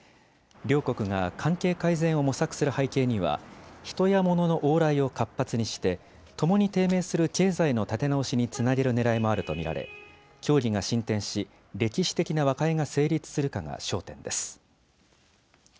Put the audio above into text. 両国が関係改善を模索する背景には人や物の往来を活発にしてともに低迷する経済の立て直しにつなげるねらいもあると見られ協議が進展し、歴史的な和解が成立するかが焦点です。